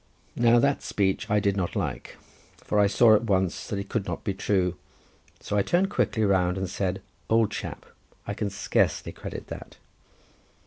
Now that speech I did not like, for I saw at once that it could not be true, so I turned quickly round and said— "Old chap, I can scarcely credit that!"